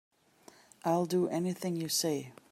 I'll do anything you say.